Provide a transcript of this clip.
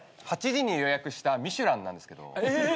８時に予約したミシュランなんですけど。